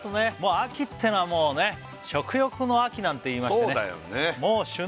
秋ってのはもうね食欲の秋なんていいましてね